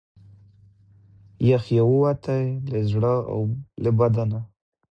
یخ یې ووتی له زړه او له بدنه